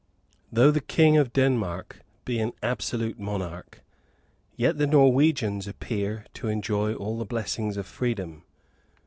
Though the king of Denmark be an absolute monarch, yet the Norwegians appear to enjoy all the blessings of freedom.